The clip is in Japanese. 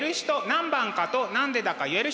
何番かと何でだか言える人？